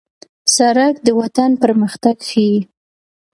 سړک د وطن پرمختګ ښيي.